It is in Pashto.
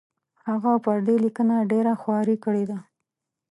هغه پر دې لیکنه ډېره خواري کړې ده.